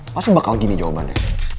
pasti bakal gini jawabannya